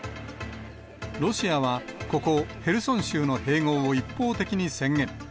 ロシアは、ここ、ヘルソン州の併合を一方的に宣言。